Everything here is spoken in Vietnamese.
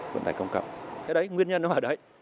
vận tải khách công cộng thế đấy nguyên nhân nó ở đấy